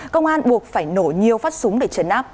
công an buộc phải nổ nhiều phát súng để chấn áp